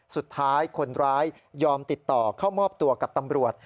สุดท้ายคนร้ายยอมติดต่อเข้ามอบตัวกับตำรวจ